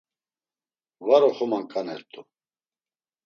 Var oxomaǩanert̆u.